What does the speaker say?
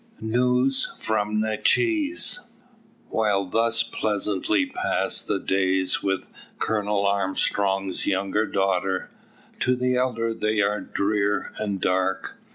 NEWS FROM NATCHEZ. While thus pleasantly pass the days with Colonel Armstrong's younger daughter, to the elder they are drear and dark.